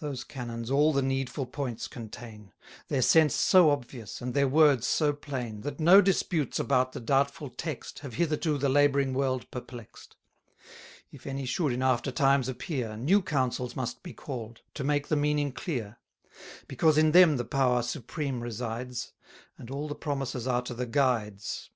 Those canons all the needful points contain; Their sense so obvious, and their words so plain, That no disputes about the doubtful text Have hitherto the labouring world perplex'd. If any should in after times appear, 100 New Councils must be call'd, to make the meaning clear: Because in them the power supreme resides; And all the promises are to the guides.